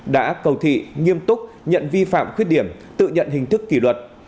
đã cầu thị nghiêm túc nhận vi phạm khuyết điểm tự nhận hình thức kỷ luật